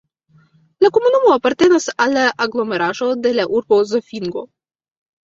La komunumo apartenas al la aglomeraĵo de la urbo Zofingo.